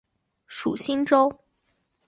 属新州。